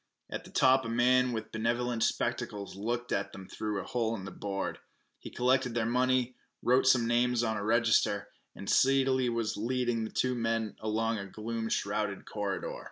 At the top a man with benevolent spectacles looked at them through a hole in a board. He collected their money, wrote some names on a register, and speedily was leading the two men along a gloom shrouded corridor.